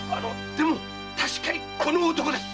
でも確かにこの男です。